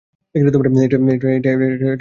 এটাই প্রাপ্য আমার।